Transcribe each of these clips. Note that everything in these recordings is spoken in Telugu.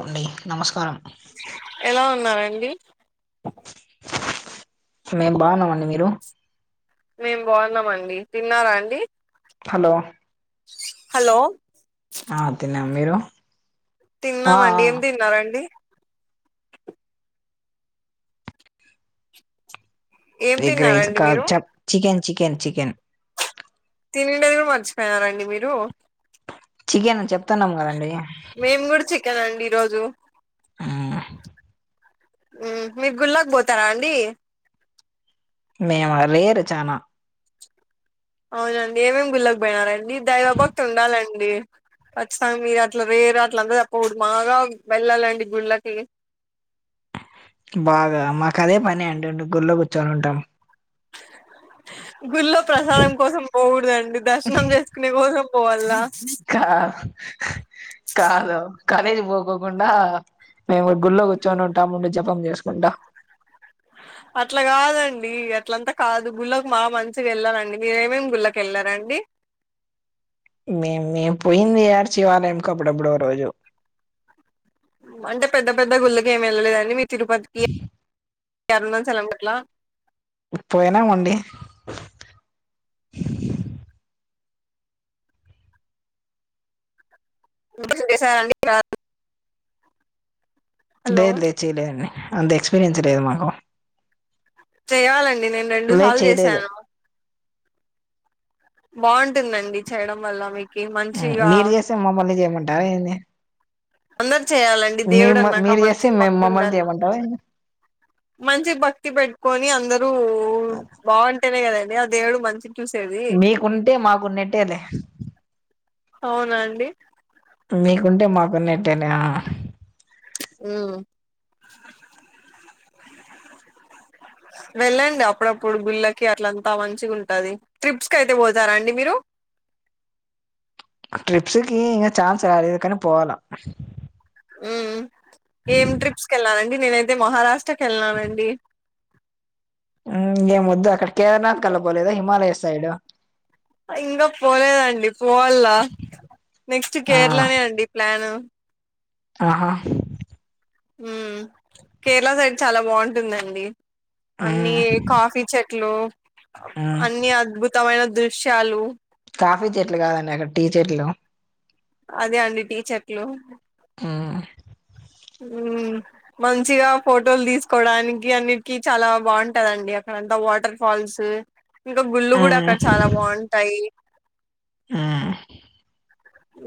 అండి నమస్కారం ఏంది నేను బాగున్నామండి మీరు మేం బాగున్నామండి తిన్నారా అండి హలో హలో ఆ తిన్న మీరు ఆ ఆ తిన్నామండి ఏం తిన్నరండి ఏం ఎగ్ రైస్ తిన్నారండి కాద్ మీరు చ చికెన్ చికెన్ చికెన్ తినిండేదే మర్చిపోయినారండి మీరు చికెన్ చెప్తన్నాం గదండి కెనండి ఈ రోజు ఆ ఉమ్ మీ గుళ్ళకి బోతారా అండి మేమా రేరు చానా అవునండి ఏమేమి గుళ్ళకి బొయినారండి దైవభక్తి ఉండాలండి ఖచ్చితంగా మీరు అట్ల వేరే అట్ల అంద చెప్పగుడుదు మాగా వెళ్ళాలండి గుళ్ళకి బాగా మాకదే పని అంటండి గుర్లో గుచ్చోనుంటాం గుళ్ళో ప్రసాదం కోసం పోకుడుదండి దర్శనం చేసుకునే కోసం పోవాలా కా [inaudible] కాదు కాలేజ్ పోకోకుండా మేము గుళ్ళో గుచ్చో నుంటామండి జపం చేసుకుంటా [inaudible] అట్లా కాదండి అట్లంతా కాదు గుళ్ళకి మాగా మంచిగా వెళ్ళాలండి మీరేమేమి గుళ్ళకి వెళ్ళారండి. [inaudible] మేమ్ మేము పోయింది. యాటచివాలయం కాప్పుడప్పుడు ఓ రోజు అంటే పెద్ద పెద్ద గుళ్ళకి ఏమి వెళ్ళలేదండి మీ తిరుపతికి కేరల్నుంచి చెెలమట్లా పోయనామండి. పూజలు జేశారండి కా [inaudible] లేదు లేదు చేయలేండి. అంత ఎక్స్పీరియన్స్ లేదు మాకు చెయ్యాలండి నేను రెండు లేదు సాల్ చేయలేదు చేసాను. బాగుంటుందండి చేయడం వల్ల మీకి ఉమ్, మంచిగా మీరు చేస్తే మమ్మల్ని చేయమంటారా ఏంది అందరు చేయాలండి. మీ దేవుడు అన్నాక మీరు మంచి చేస్తే మేము భక్తి మమ్మల్ని ఉండాలి. చేయమంటారా ఏంది మంచి భక్తి పెట్టుకోని అందరు బాన్ తెలేగాదండి అదేవుడు మంచి చూసేది మీకుంటే మాకున్నేట్టేలే అవునాండి. మీకుంటే మాకున్నట్టేలే ఆ ఉ వెళ్ళండి అప్పుడప్పుడు గుళ్ళకి అట్లంతా మంచిగా ఉంటది. ట్రిప్స్ కైతే పోతారా అండి. మీరు ట్రిప్స్కి ఇంగ ఛాన్స్ రాలేదు పోవాల. ఉమ్ ఉ ఏం ట్రిప్స్కి వెళ్లాండి నేనైతే మహారాష్ట్రకి ఏళ్ళానండి. ఇంకేం వద్దు అక్కడ కేదార్నాథ్ కళ్ళపోలేదా హిమాలయ సైడ్ ఇంకా పోలేదండి పోవాల నెక్స్ట్ ఆ కేరళనే అండి ప్లాన్ ఆహా! ఉమ్ కేరళ సైడ్ చాలా బాగుంటుందండి. అన్ని ఉమ్ కాఫీ చెట్ ట్ లో ఉమ్ అన్ని అద్భుతమైన దృశ్యాలు కాఫీ చెట్లు కాదండి అక్కడ టీ చెట్లు అదే అండి టీ చెట్లు ఉమ్ ఉమ్ మంచిగా ఫోటోలు తీసుకోడానికి అన్నిటికీ చాలా బాగుంటదండి అక్క అంతా వాటర్ ఫాల్స్ ఇంకా గుళ్ళు కూడా ఉమ్ అక్కడ చాలా బాగుంటాయి. ఉమ్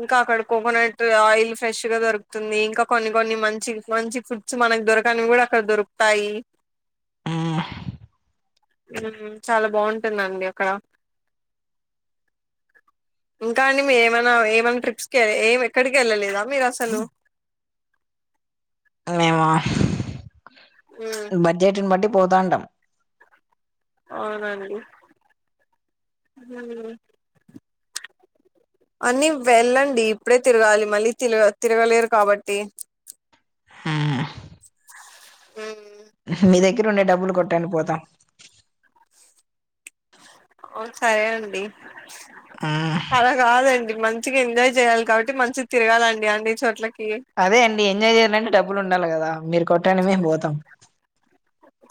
ఇంకా అక్కడ కోకోనట్ ఆయిల్ ఫ్రెష్ గా దొరుకుతుంది. ఇంకా కొన్ని కొన్ని మంచి మంచి ఫుడ్స్ మనక్ దొరకని కూడా అక్కడ దొరుకుతాయి. ఉమ్ ఉహుం చాలా బాగుంటుందండి అక్కడ ఇంకా అండి మీర ఏమైనా ఏమైనా ట్రిప్స్కి ఏమ్ ఎక్కడికి వెళ్ళలేదా మీరు అసలు మేమా ఉమ్ బడ్జెట్న్ బట్టి పోతాంటం అవునండి హ్మ్ అన్ని వెళ్ళండి. ఇప్పుడే తిరగాలి మళ్ళీ తిల తిరగలేరు కాబట్టి హుమ్ ఉమ్ కిర్ ఉండే డబ్బులు కొట్టండి పోతా ఓ సరే అండి ఉమ్ అలా కాదండి. మంచిగా ఎంజాయ్ చేయాలి కాబట్టి మంచి తిరగాలండి అన్ని చోట్లకి అదే అండి ఎంజాయ్ చేయాలంటే డబ్బులు ఉండాలి కదా మీరు కొట్టండి మేము పోతాం.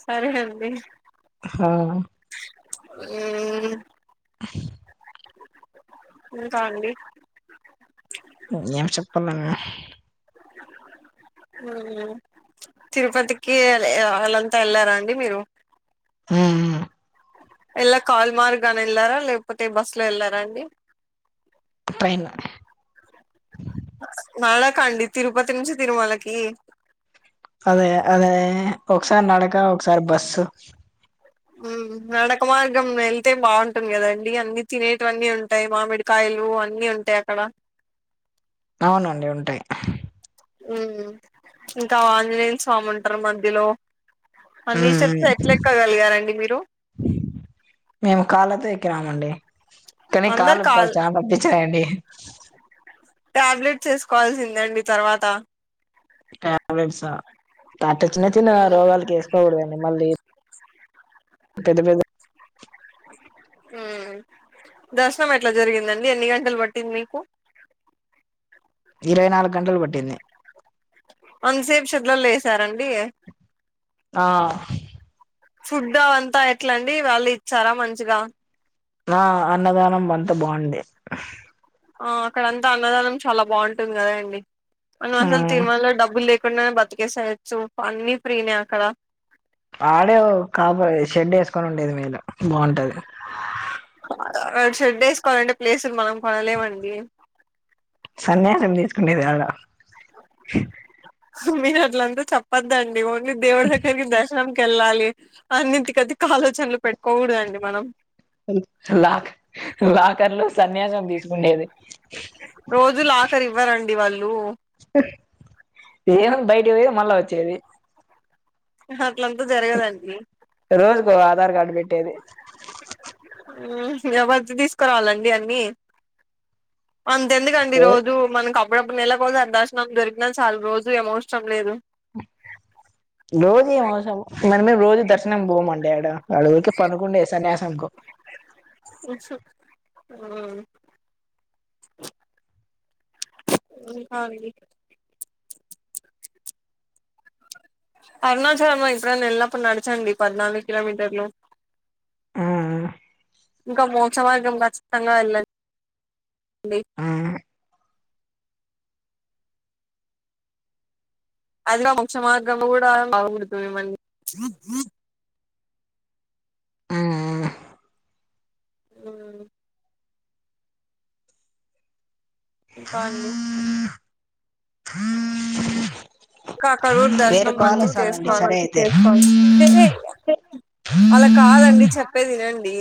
సరే అండి. హా ఏయ్ ఇంకా అండి ఏం చెప్పాలని ఇ ఉమ్మ్ తిరుపతికి అళంతా ఎళ్ళారాండి మీరు ఉహ్మ్ హ్మ్ ఎల్లా కాల్ మార్గనా ఎళ్లారా లేకపోతే బస్ లో ఎళ్లారా అండి ట్రైన్ల నడక ‌అండి తిరుపతి నుంచి తిరుమలకి అద్య అద ఒకసారి నడక ఒకసారి బస్సు ఉమ్మ్ నడక మార్గం వెళ్తే బాగుంటుంది కదండి అన్ని తినేటివన్నీ ఉంటాయి మామిడికాయలు అన్ని ఉంటాయి అక్కడ అవునండి ఉంటాయి ఉమ్మ్ మ్మ్ ఇంకా ఆంజనేయని స్వామి ఉంటారు మధ్యలో అన్ని ఉమ్ స్టెప్స్ ఎట్లేక్కగలిగారంండి మీరు కామండి కానీ అందరు కాళ్ళు కాదు పాళ్ చాలా నొప్పిచయండి టాబ్లెట్స్ ఏసుకోవాల్సిందండి తర్వాత టాబ్లెట్సా అట్ట చిన్న చిన్న రోగాలుకి ఏసుకోకూడదండి మళ్ళీ పెద్ద పెద ఉమ్మ్ దర్శనం ఎట్లా జరిగిందండి ఎన్ని గంటలు పట్టింది మీకు ఇరవై నాలుగు గంటలు పట్టింది అంతసేపు షెడ్లలో ఎసారండి ఆ ఫుడ్ అవంత ఎట్లాండి వాళ్ళు ఇచ్చారా మంచిగా ఆ అన్నదానం అంత బాగుంది ఆ అక్కడంతా అన్నదానం చాలా బాగుంటుంది కదా అండి అ అసలు ఉమ్ తిరుమలలో డబ్బులు లే కున్నా బతికేసేయొచ్చు అన్నీ ఫ్రీనే అక్కడ ఆడే కాపా షెడ్ ఏసుకొని ఉండేది మేలు బాగుంటది అడ షేడ్ ఏసుకోవాలంటే ప్లేసులు మనం కొనలేమండి సన్యాసం తీసుకునేది యడ మీరు అట్లంతా చెప్పద్దండి ఓన్లీ దేవుడి దగ్గరికి దర్శనంకి ఎళ్ళాలి అన్నింటికది లాక్ లాకర్లో సన్యాసం తీసుకుండేది ది వాళ్ళు ఇట్టే పోయి మళ్ళా వచ్చేది అట్లంతా జరగదండి రోజుకో ఆధార్ కార్డు పెట్టేది ఉమ్మ్ ఇంకా బజ్ తీసుకురావాలండి అన్నీ అంతేందుకండి రోజు మనకు అప్పుడప్పుడు నెలకోసారి దర్శనం దొరికిన చాలు రోజు ఏం అవసరం లేదు రోజు ఏ అవసరం మనమేం రోజు దర్శనంకి పోమండి అడ అడఊకే పనుకుండే సన్యాసంకో ఉహ్మ్ ఉమ్మ్ ఆ అండి అరుణాచలం పొ ఎప్పుడైనా ఎళ్ళినప్పుడు నడిచండి పద్నాలుగు కిలోమీటర్లు ఇంకా మోక్షమార్గం ఖచ్చితంగా వెళ్ళ [inaudible] డి అదిక మోక్షమార్గం కూడా [unintelligible] మిమ్మల్ని ఉమ్మ్ ఇంకా అండి ఇంకా అక్కడ గూడా వేరే దర్శనం కాల్ మంచి వస్తుందండి చేసుకోవాలి సరే అయితే హే అలా కాదండి చెప్పేది వినండి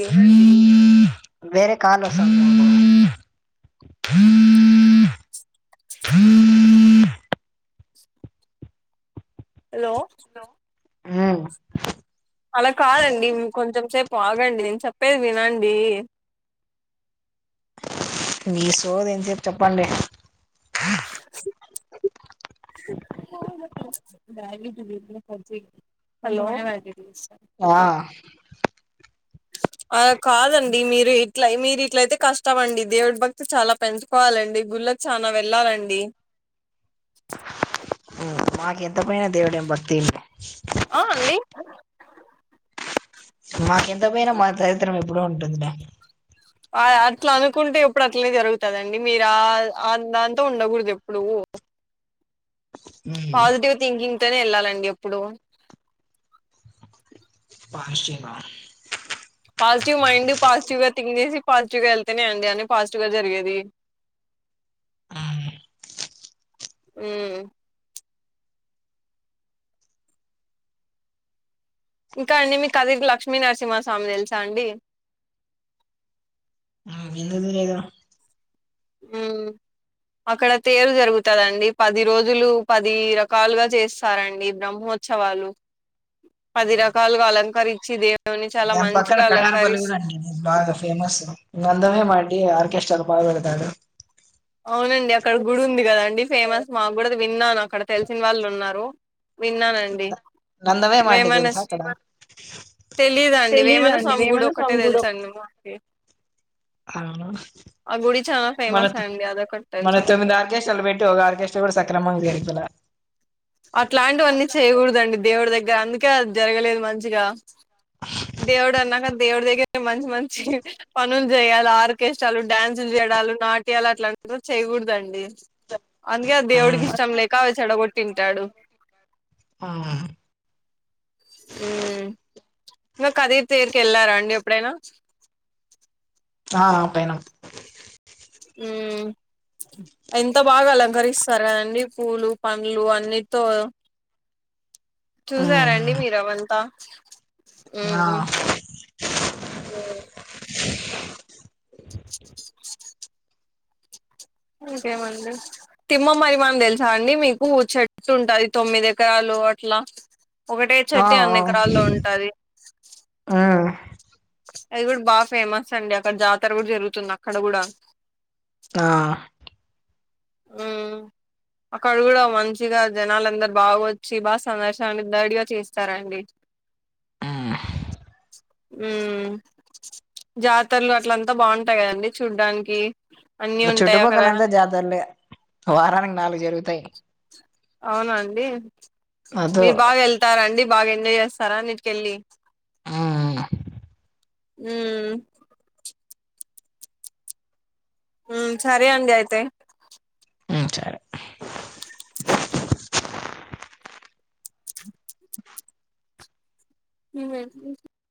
వేరే కాల్ వస్తుంది హ హలో అలా కాదండి ఇంకొంచెం సేపు ఆగండి నేను చెప్పేది వినండి మీ సోది ఏం చెప్పి చెప్పండి హలో ఆ అలా కాదండి మీరు ఇట్ల మీరు ఇట్లయితే కష్టం అండి దేవుడి భక్తి చాలా పెంచుకోవాలండి గు ళ్ళకి చానా వెళ్ళాలండి మాకు ఎంత పైన దేవుడే భక్తి ఆ అండి మాకు ఎంత పోయినా మా దరిద్రం ఎప్పుడు ఉంటుందిలే అట్లా అనుకుంటే ఎప్పుడు అట్లే జరుగుతుదండి మీరు దాంతో ఉండకూడదు ఎప్పుడూ ఆ పాజిటివ్ థింకింగ్ తోనే వెళ్ళాలండి ఎప్పుడు పాజిటివా పాజిటివ్ మైండ్ పాజిటివ్ గా థింక్ చేసి పాజిటివ్ గా వెళ్తేనే అండి అని పాజిటివ్ గా జరిగేది హ్మ్ ఇంకా అండి మీ కదిరి లక్ష్మీ నరసింహస్వామి తెలుసా అండి ఆ ఎందుకు తెలీదు హ్మ్ అక్కడ తేరు జరుగుతదండి పది రోజులు పది రకాలుగా చేస్తారండి బ్రహ్మో ఉత్సవాలు పది రక దాని పక్కన మంచిగా కటానపల్లి అలంకరిస్ కూడా అండి బాగా ఫేమస్ మేమంద మేమ అండి ఆర్కెస్ట్రా బాగా పెడతాడు అవునండి అక్కడ గుడి ఉంది కదాండి ఫేమస్ మాకు కూడా అది విన్నాను అక్కడ తెలిసిన వాళ్ళు ఉన్నారు విన్నానండి నందమే మాటి వేమనా తెలుసా అక్కడ తెలీదండి వేమన స్వామి గుడి ఒక్కటే తెలుసండి మాకి అవును ఆ గుడి చాలా మన ఫేమస్ అండి అదొకటి మన తెలుసు తొమ్మిది ఆర్కెస్ట్రలు పెట్టి ఒక ఆర్కెస్ట్రా కూడా సక్రమంగ జరపలే అట్లాంటివన్నీ చేయకూడదండి దేవుడి దగ్గర అందుకే జరగలేదు మంచిగా దేవుడు అన్నాక దేవుడి దగ్గర మంచి మంచి పనులు చేయాలి ఆర్కెస్ట్రాలు డ్యాన్సులు చేయ్ డాలు నాట్యాలు అట్లాంటి చేయకూడదండి అందుకే ఆ ఉమ్, దేవుడికి ఇష్టం లేక అవి చెడగొట్టింటాడు హ్మ్ హ్మ్ ఇంకా కదిరి దగ్గరికి వెళ్ళారా అండి ఎప్పుడైనా ఆ పోయిన హ్మ్ ఎంత బాగా అలంకరిస్తారు కదండి పూలు పండ్లు అన్నిటీతో ఉమ్, చూసారండి ఉమ్, మీరుఅవంతా ఆ ఇంకేమండి తిమ్మ మరి మాను తెలుసా అండి మీకు చెట్స్ ఉంటది తొమ్మిది ఎకరాలు అట్లా ఒకటే ఆ, చెట్టు ఆ, అన్ని ఎకరాల్లో ఉంటది ఉమ్, అది కూడా బాగా ఫేమస్ అండి అక్కడ జాతర కూడా జరుగుతుంది అక్కడ కూడా ఆ, హ్మ్ అక్కడ కూడా మంచిగా జనాలందరు బాగా వచ్చి బా సందడి సందడిగా చేస్తారండి [inaudible] హ్మ్ ఉ జాతరలు అట్లంతా బాగుంటాయి కదండి చూడ్డానికి అన్ని ఉంటాయి అక్కడ చుట్టుపక్కల అంతా జాతరలే వారానికి నాలుగు జరుగుతాయి అవునండి అదో మీరు బాగా వెళ్తారండి బాగా ఎంజాయ్ చేస్తారా అన్నిటికెళ్ళి ఆ ఉ హు సరే అండి అయితే ఉ సరే నువ్వు చెప్పు